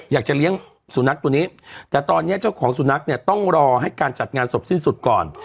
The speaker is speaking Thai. อยากจะเลี้ยงสุนัขตัวนี้แต่ตอนนี้เจ้าของสุนัขเนี่ยต้องรอให้การจัดงานศพสิ้นสุดก่อน